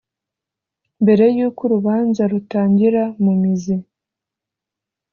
Mbere y’uko urubanza rutangira mu mizi